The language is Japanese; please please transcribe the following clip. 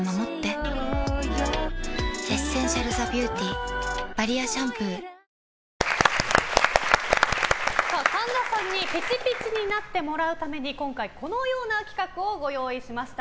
新「ＥＬＩＸＩＲ」神田さんにぴちぴちになってもらうために今回このような企画をご用意しました。